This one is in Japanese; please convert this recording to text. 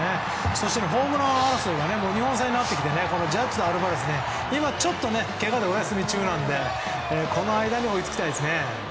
そしてホームラン王争いが混戦になってきてジャッジとアルバレスが今、ちょっとけがでお休み中なのでこの間に追いつきたいですね。